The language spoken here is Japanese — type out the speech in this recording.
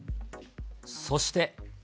そして。